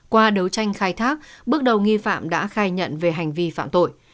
qua đấu tranh khai thác bước đầu nghi phạm đã khai nhận về hành vi phạm tội